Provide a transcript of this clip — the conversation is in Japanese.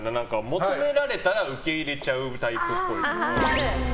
求められたら受け入れちゃうタイプっぽい。